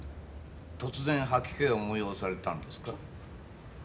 突然吐き気を催されたんですか？